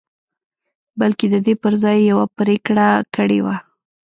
بلکې د دې پر ځای يې يوه پرېکړه کړې وه.